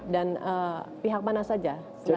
dan pihak mana saja